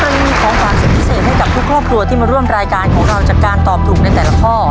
ยังมีของขวานสุดพิเศษให้กับทุกครอบครัวที่มาร่วมรายการของเราจากการตอบถูกในแต่ละข้อ